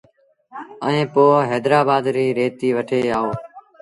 ائيٚݩ پو هيدرآبآد ريٚ ريتيٚ وٺي آئو۔